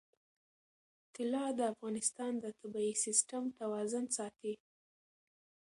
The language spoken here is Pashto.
طلا د افغانستان د طبعي سیسټم توازن ساتي.